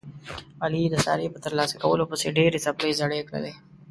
علي د سارې په ترلاسه کولو پسې ډېرې څپلۍ زړې کړلې.